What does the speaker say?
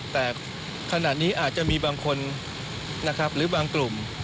แต่ขนาดนี้อาจจะมีบางคนหรือบางกลุ่ม